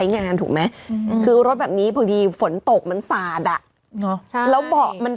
น้ำท่วมในรถด้วย